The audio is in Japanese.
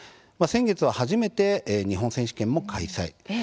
先月、初めて日本選手権も開催。